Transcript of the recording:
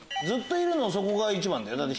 ずっといるのそこが一番だよ